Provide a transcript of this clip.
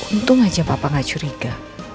untung aja papa gak curiga